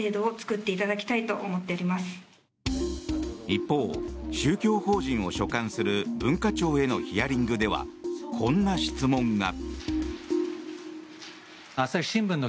一方、宗教法人を所管する文化庁へのヒアリングではこんな質問が。